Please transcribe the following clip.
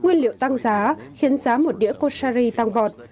nguyên liệu tăng giá khiến giá một đĩa khoshari tăng gọt